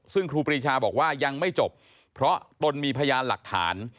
ซึ่งครูปรีชาบอกว่ายังไม่จบเพราะตนมีพยานหลักฐาน